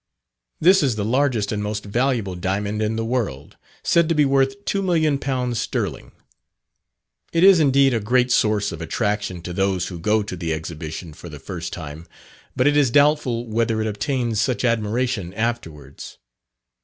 This is the largest and most valuable diamond in the world, said to be worth £2,000,000 sterling. It is indeed a great source of attraction to those who go to the Exhibition for the first time, but it is doubtful whether it obtains such admiration afterwards.